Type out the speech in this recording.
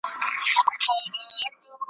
پر بچو باندي په ساندو په ژړا سوه